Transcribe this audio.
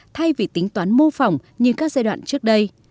thay vì tính toán mô phỏng như các giai đoạn trước đây